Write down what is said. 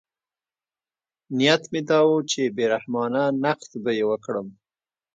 نیت مې دا و چې بې رحمانه نقد به یې وکړم.